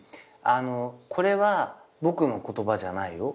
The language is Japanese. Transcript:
これは僕の言葉じゃないよ？